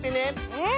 うん！